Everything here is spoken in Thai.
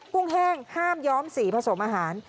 ุ้งแห้งห้ามย้อมสีผสมอาหาร